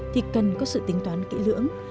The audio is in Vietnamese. thì cần có sự tính toán kỹ lưỡng